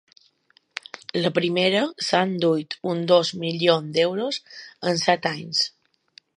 La primera s’ha endut uns dos milions d’euros en set anys.